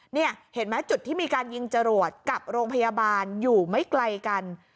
นี่เห็นไหมจุดที่มีการยิงจรวดกับโรงพยาบาลอยู่ไม่ไกลกัน